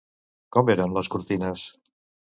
Com eren les cortines?